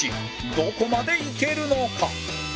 どこまでいけるのか？